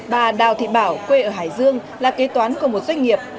bà đào thị bảo quê ở hải dương là kế toán của một doanh nghiệp